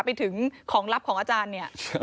ไปถึงของลับของอาจารย์เนี่ย